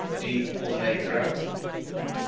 pomeegra, D.